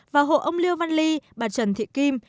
và hộ ông liêu văn ly bà trần thị kim